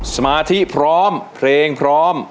สมาธิพร้อมเพลงพร้อม